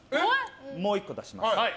もう１個出します。